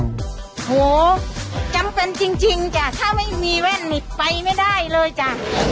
โอ้โหจำเป็นจริงจ้ะถ้าไม่มีแว่นนี่ไปไม่ได้เลยจ้ะ